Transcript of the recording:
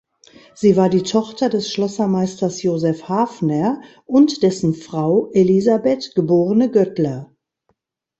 Sie war die Tochter des Schlossermeisters Josef Hafner und dessen Frau Elisabeth, geborene Göttler.